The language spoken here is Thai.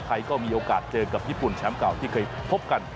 ก็มีโอกาสเจอกับญี่ปุ่นแชมป์เก่าที่เคยพบกัน